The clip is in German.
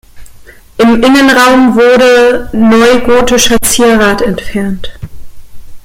Im Innenraum wurde neugotischer Zierrat entfernt.